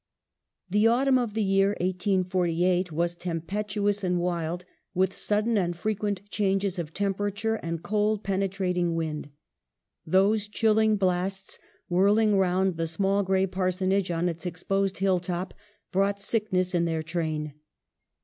The autumn of the year 1848 was tempestuous and wild, with sudden and frequent changes of temperature, and cold penetrating wind. Those chilling blasts whirling round the small gray parsonage on its exposed hill top, brought sick ness in their train.